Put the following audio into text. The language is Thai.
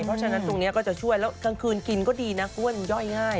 เพราะฉะนั้นตรงนี้ก็จะช่วยแล้วกลางคืนกินก็ดีนะกล้วยมันย่อยง่าย